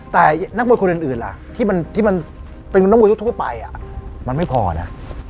แต่นักมวยคนอื่นล่ะที่มันเป็นนักมวยทั่วไปมันไม่พอนะ